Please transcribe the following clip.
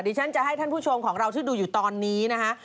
ที่ฉันจะให้ท่านผู้ชมของเราที่ดูอยู่ตอนนี้นะฮะ